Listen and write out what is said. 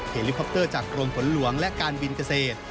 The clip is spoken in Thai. เฮลิคอปเตอร์จากกรมฝนหลวงและการบินเกษตร